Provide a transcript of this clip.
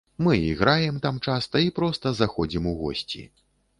Мы і граем там часта, і проста заходзім у госці.